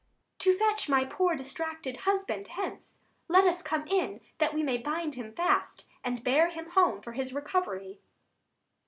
_ To fetch my poor distracted husband hence. Let us come in, that we may bind him fast, 40 And bear him home for his recovery.